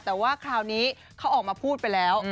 แต่ว่าคราวนี้เขาออกมาพูดไปแล้ว